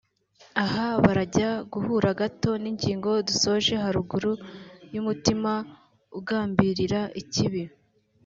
Aha birajya guhura gato n’ingingo dusoje haruguru y’umutima ugambirira ikibi